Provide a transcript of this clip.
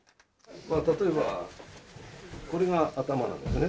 例えばこれが頭なんですね。